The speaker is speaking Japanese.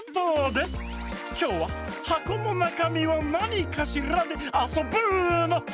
きょうは「はこのなかみはなにかしら？」であそぶの！